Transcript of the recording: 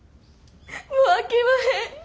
もうあきまへん。